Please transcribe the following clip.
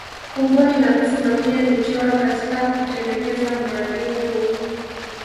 Kubuni na kusimamia michoro katika kutelekeza mradio huu